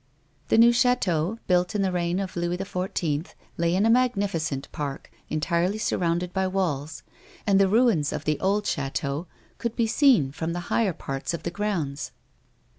The new chateau, built in the reign of Louis XIV., lay in a mag nificent park, entirely surrounded by walls, and the ruins of the old chateau could be seen from the higher parts of the grounds.